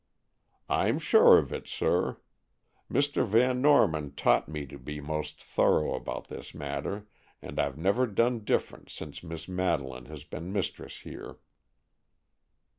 "I'm sure of it, sir. Mr. Van Norman taught me to be most thorough about this matter, and I've never done different since Miss Madeleine has been mistress here."